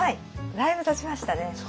だいぶたちましたね。